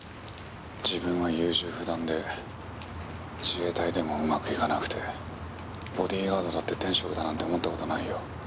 「自分は優柔不断で自衛隊でもうまくいかなくてボディーガードだって天職だなんて思った事ないよ」